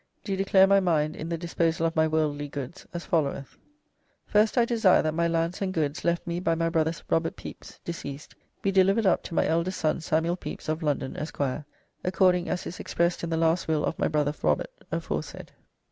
doe declare my mind in the disposall of my worldly goods as followeth: "First, I desire that my lands and goods left mee by my brother, Robert Pepys, deceased, bee delivered up to my eldest son, Samuell Pepys, of London, Esqr., according as is expressed in the last Will of my brother Robert aforesaid.